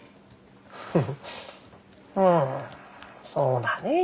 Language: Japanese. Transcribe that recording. うんそうだねぇ。